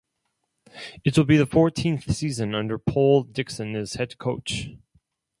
It will be the fourteenth season under Paul Dixon as head coach.